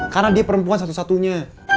karena dia perempuan satu satunya